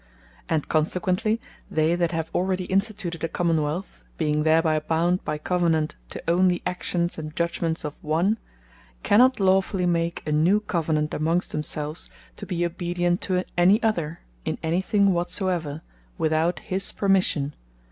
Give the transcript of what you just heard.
And Consequently they that have already Instituted a Common wealth, being thereby bound by Covenant, to own the Actions, and Judgements of one, cannot lawfully make a new Covenant, amongst themselves, to be obedient to any other, in any thing whatsoever, without his permission.